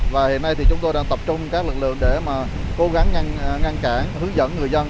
và hiện nay thì chúng tôi đang tập trung các lực lượng để mà cố gắng ngăn cản hướng dẫn người dân